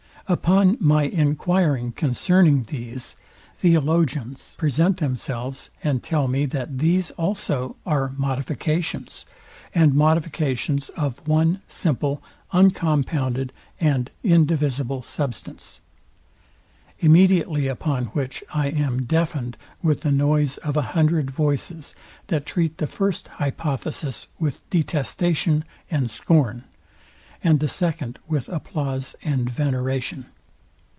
Upon my enquiring concerning these, Theologians present themselves, and tell me, that these also are modifications, and modifications of one simple, uncompounded, and indivisible substance. Immediately upon which I am deafened with the noise of a hundred voices, that treat the first hypothesis with detestation and scorn, and the second with applause and veneration.